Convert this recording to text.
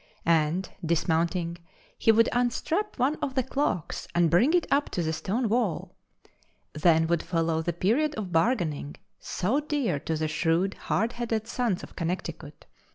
And, dismounting, he would unstrap one of the clocks and bring it up to the stone wall. Then would follow the period of bargaining, so dear to the shrewd, hard headed sons of Connecticut.